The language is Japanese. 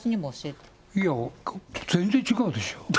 いや、全然違うでしょ。